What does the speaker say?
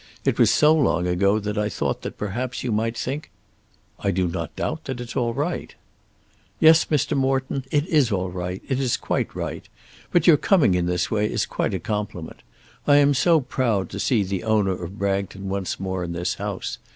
It was so long ago that I thought that perhaps you might think " "I do not doubt that it's all right." "Yes, Mr. Morton it is all right. It is quite right. But your coming in this way is quite a compliment. I am so proud to see the owner of Bragton once more in this house.